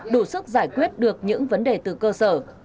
đủ sức giải quyết được những vấn đề từ cơ sở